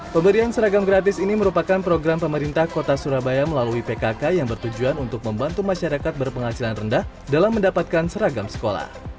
pemberian seragam gratis ini merupakan program pemerintah kota surabaya melalui pkk yang bertujuan untuk membantu masyarakat berpenghasilan rendah dalam mendapatkan seragam sekolah